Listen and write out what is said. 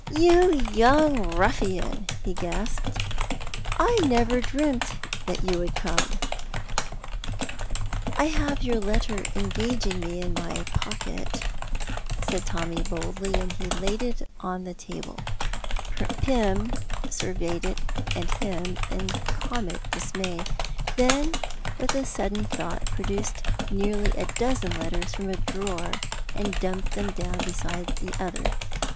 "You young ruffian," he gasped, "I never dreamt that you would come!" "I have your letter engaging me in my pocket," said Tommy, boldly, and he laid it on the table. Pym surveyed it and him in comic dismay, then with a sudden thought produced nearly a dozen letters from a drawer, and dumped them down beside the other.